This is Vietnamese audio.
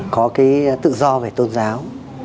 có cái tự do về tôn giáo